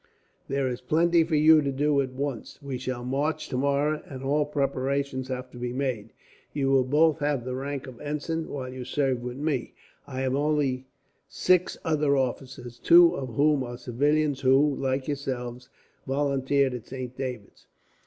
There is plenty for you to do, at once. We shall march tomorrow, and all preparations have to be made. You will both have the rank of ensign, while you serve with me. I have only six other officers, two of whom are civilians who, like yourselves, volunteered at Saint David's.